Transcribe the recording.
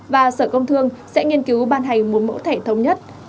và sở công thương sẽ nghiên cứu ban hành một mẫu thẻ thống nhất áp dụng chung trên toàn thành phố